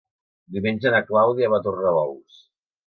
Diumenge na Clàudia va a Tornabous.